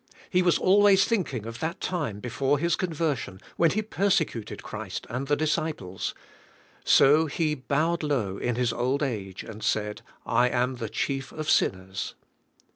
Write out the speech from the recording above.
He was always thinking of that time before his conversion when he persecuted Christ and the disciples; so he bowed low in his old ag e and said, "I am the chief of sinners."